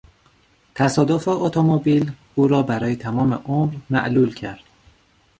تصادف اتومبیل او را برای تمام عمر معلول کرد.